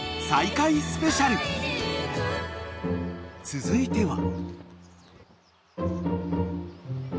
［続いては］